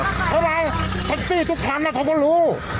ไขเท็กซี่ทุกท่านผมก็รู้